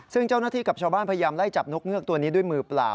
ซึ่งเจ้าหน้าที่กับชาวบ้านพยายามไล่จับนกเงือกตัวนี้ด้วยมือเปล่า